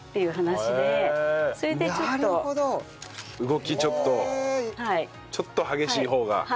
動きちょっとちょっと激しい方が。